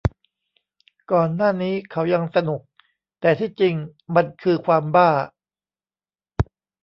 ก่อนหน้านี้เขายังสนุก แต่ที่จริงมันคือความบ้า